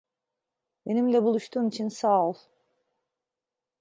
Benimle buluştuğun için sağ ol.